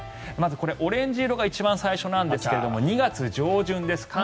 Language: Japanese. まずこれ、オレンジ色が一番最初なんですが２月上旬です。